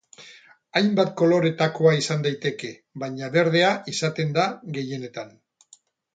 Hainbat koloretakoa izan daiteke, baina berdea izaten da gehienetan.